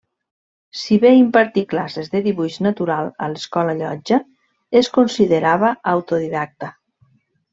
Si bé impartí classes de dibuix natural a l'Escola Llotja, es considerava autodidacta.